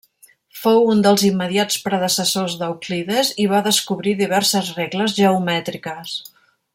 Fou un dels immediats predecessors d'Euclides i va descobrir diverses regles geomètriques.